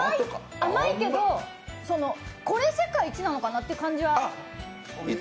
甘いけど、これ世界一なのかな？っていう感じが。